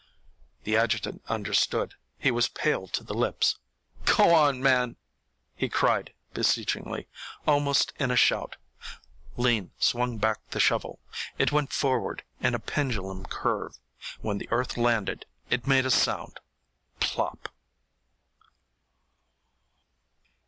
The adjutant understood. He was pale to the lips. "Go on, man," he cried, beseechingly, almost in a shout. Lean swung back the shovel. It went forward in a pendulum curve. When the earth landed it made a sound plop!